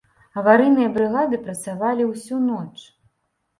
Аварыйныя брыгады працавалі ўсю ноч.